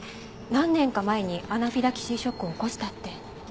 何年か前にアナフィラキシーショックを起こしたって。